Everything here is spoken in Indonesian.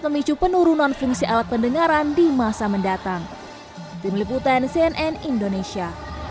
memicu penurunan fungsi alat pendengaran di masa mendatang tim liputan cnn indonesia